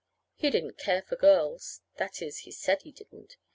He didn't care for girls. That is, he said he didn't.